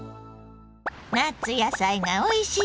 夏野菜がおいしい